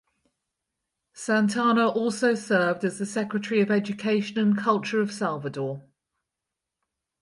Santana also served as the Secretary of Education and Culture of Salvador.